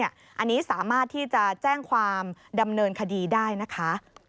อันนี้สามารถที่จะแจ้งความดำเนินคดีได้นะคะ